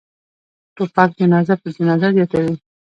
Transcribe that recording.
توپک جنازه پر جنازه زیاتوي.